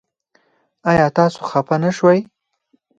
ایا تاسو خفه نه شوئ؟